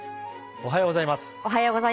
おはようございます。